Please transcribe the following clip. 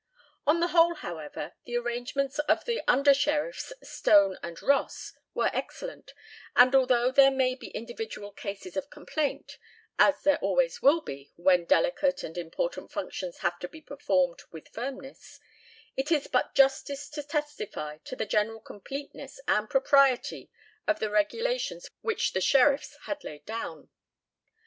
On the whole, however, the arrangements of the Under Sheriffs Stone and Ross were excellent, and, although there may be individual cases of complaint, as there always will be when delicate and important functions have to be performed with firmness, it is but justice to testify to the general completeness and propriety of the regulations which the Sheriffs had laid down.